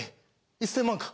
１０００万か？